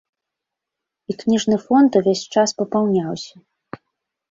І кніжны фонд увесь час папаўняўся.